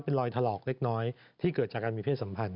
เป็นรอยถลอกเล็กน้อยที่เกิดจากการมีเพศสัมพันธ